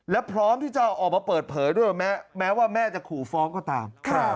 และพร้อมที่จะออกมาเปิดเผยด้วยแม้ว่าแม่จะขู่ฟ้องก็ตาม